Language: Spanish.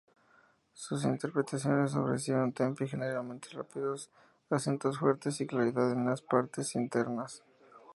Sus interpretaciones ofrecieron "tempi" generalmente rápidos, acentos fuertes y claridad en las partes internas.